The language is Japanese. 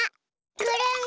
くるん。